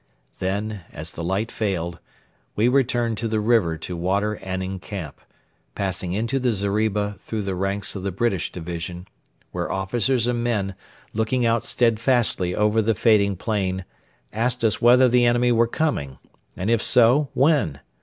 Then, as the light failed, we returned to the river to water and encamp, passing into the zeriba through the ranks of the British division, where officers and men, looking out steadfastly over the fading plain, asked us whether the enemy were coming and, if so, when.